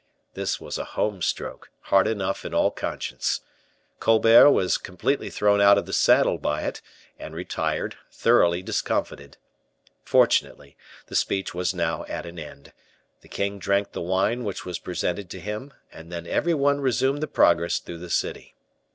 This was a home stroke, hard enough in all conscience. Colbert was completely thrown out of the saddle by it, and retired, thoroughly discomfited. Fortunately, the speech was now at an end; the king drank the wine which was presented to him, and then every one resumed the progress through the city.